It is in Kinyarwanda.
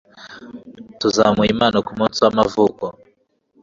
Tuzamuha impano kumunsi w'amavuko.